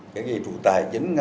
cái gì chủ tài chính ngăn ngạn